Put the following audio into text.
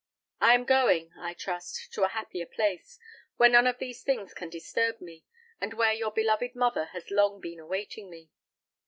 I am going, I trust, to a happier place, where none of these things can disturb me, and where your beloved mother has long been awaiting me.